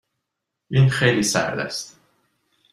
این خیلی سرد است.